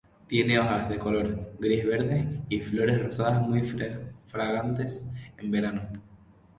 Tiene hojas color gris-verde y flores rosadas muy fragantes en verano.